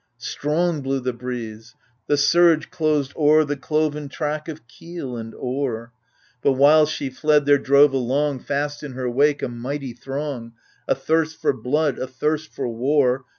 32 AGAMEMNON Strong blew the breeze — the surge closed o'er The cloven track of keel and oar, But while she fled, there drove along, Fast in her wake, a mighty throng — Athirst for blood, athirst for war.